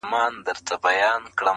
خو ذهن نه هېرېږي هېڅکله تل,